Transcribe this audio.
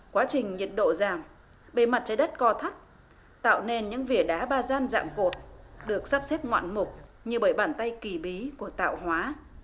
quá trình nhiệt độ giảm bề mặt trái đất co thắt tạo nên những vỉa đá ba gian dạng cột được sắp xếp ngoạn mục như bởi bàn tay kỳ bí của tạo hóa